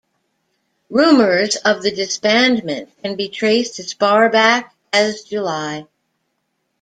Rumors of the disbandment can be traced as far back as July.